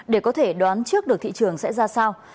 để có thể đoán trước được thị trường sẽ ra sao